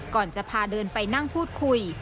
ก่อนจะพาเดินไปนั่งพูดคุย